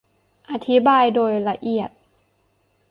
อธิบายโดยละเอียด